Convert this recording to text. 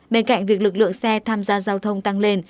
bên cạnh việc lực lượng xe tham gia giao thông tăng lên